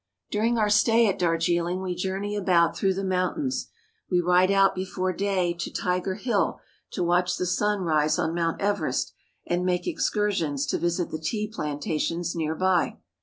During our stay at Darjiling we journey about through the mountains. We ride out before day to Tiger Hill to watch the sun rise on Mount Everest, and make excursions to visit the tea plantations near by.